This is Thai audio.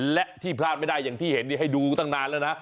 และที่พลาดไม่ได้อย่างที่เห็นให้ดูตั้งนานแล้วนะ